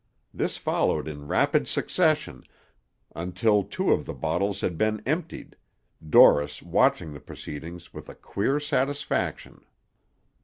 This followed in rapid succession, until two of the bottles had been emptied, Dorris watching the proceedings with a queer satisfaction.